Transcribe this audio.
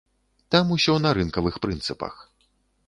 Там усё на рынкавых прынцыпах.